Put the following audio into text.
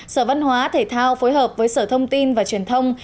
sở văn hóa thể thao phối hợp với sở thông tin và truyền thông